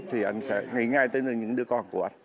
thì anh sẽ nghĩ ngay tới những đứa con của anh